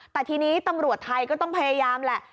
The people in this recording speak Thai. แต่ทีนี้ตำรวจไทยก็ต้องพยายามแหละ